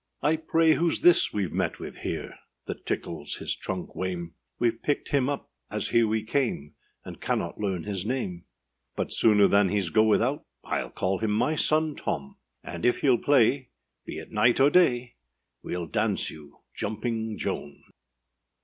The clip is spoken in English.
I pray whoâs this weâve met with here, That tickles his trunk wame? Weâve picked him up as here we came, And cannot learn his name: But sooner than heâs go without, Iâll call him my son Tom; And if heâll play, be it night or day, Weâll dance you Jumping Joan.